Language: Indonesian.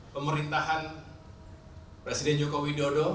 pemerintahan presiden joko widodo